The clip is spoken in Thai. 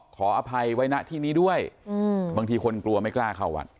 ขออภัยไว้ณที่นี้ด้วยบางทีคนกลัวไม่กล้าเข้าวัด